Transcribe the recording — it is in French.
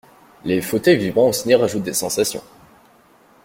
Les fauteuils vibrants au ciné rajoutent des sensations.